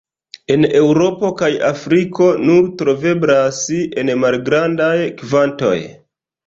En Eŭropo kaj Afriko nur troveblas en malgrandaj kvantoj.